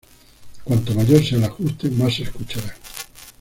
Cuanto mayor sea el ajuste más se escuchará.